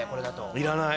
いらない。